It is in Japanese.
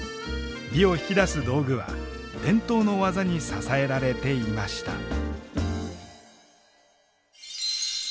美を引き出す道具は伝統の技に支えられていました。